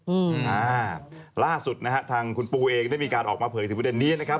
อืมอ่าล่าสุดนะฮะทางคุณปูเองได้มีการออกมาเผยถึงประเด็นนี้นะครับ